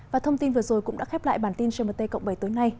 và thông tin vừa rồi cũng đã khép lại bản tin gmt cộng bảy tối nay